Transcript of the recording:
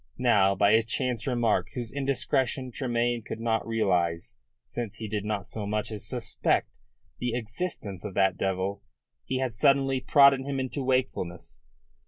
Now, by a chance remark whose indiscretion Tremayne could not realise, since he did not so much as suspect the existence of that devil, he had suddenly prodded him into wakefulness.